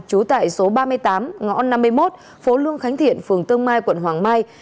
trú tại số ba mươi tám ngõ năm mươi một phố lương khánh thiện phường tương mai quận hoàng mai